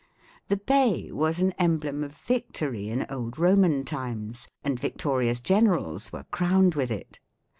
The bay was an emblem of victory in old Roman times, and victorious generals were crowned with it.